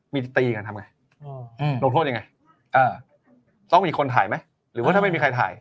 มีตีกันทำไงลงโทษยังไงต้องมีคนถ่ายไหมหรือว่าถ้าไม่มีใครถ่าย